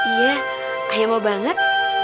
iya ayah mau banget